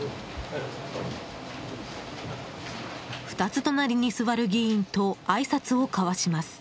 ２つ隣に座る議員とあいさつを交わします。